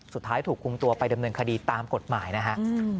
สุดท้ายถูกคุมตัวไปดำเนินคดีตามกฎหมายนะฮะ